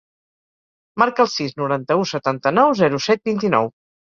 Marca el sis, noranta-u, setanta-nou, zero, set, vint-i-nou.